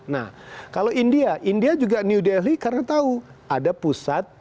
nah kalau india india juga new delhi karena tahu ada pusat